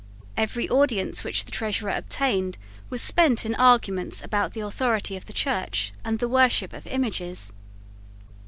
Every audience which the Treasurer obtained was spent in arguments about the authority of the Church and the worship of images.